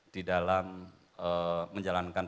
di dalam menjalankan